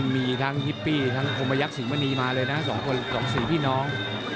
มีทั้งฮิปปี้ทั้งโทมยักษ์สิงห์มะนีมาเลยนะ๒สีพี่น้อง